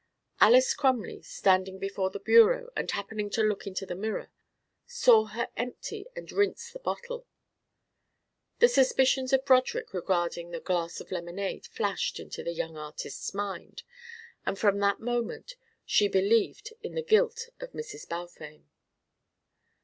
Alys Crumley, standing before the bureau and happening to look into the mirror, saw her empty and rinse the bottle. The suspicions of Broderick regarding the glass of lemonade flashed into the young artist's mind; and from that moment she believed in the guilt of Mrs. Balfame.